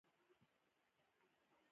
په خاورو کې سکون دی، نه شور.